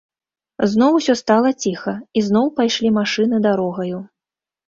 Зноў усё стала ціха, і зноў пайшлі машыны дарогаю.